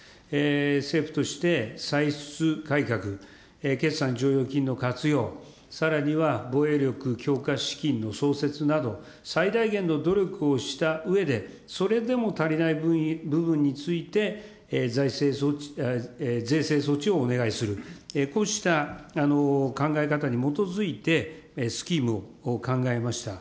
政府として、歳出改革、決算剰余金の活用、さらには防衛力強化資金の創設など、最大限の努力をしたうえで、それでも足りない部分について、税制措置をお願いする、こうした考え方に基づいてスキームを考えました。